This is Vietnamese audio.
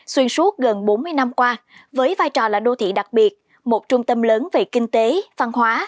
xuyên suốt gần bốn mươi năm qua với vai trò là đô thị đặc biệt một trung tâm lớn về kinh tế văn hóa